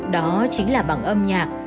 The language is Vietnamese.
đó chính là bằng âm nhạc